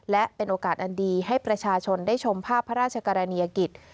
และเป็นโอกาสอันดีให้ประชาชนได้ชมภาพพระราชกรณียกิจ